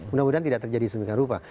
kemudian tidak terjadi seberapa rupa